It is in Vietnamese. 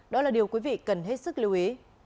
đó là điều quý vị cần hết sức lưu ý